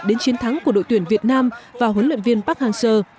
đến chiến thắng của đội tuyển việt nam và huấn luyện viên park hang seo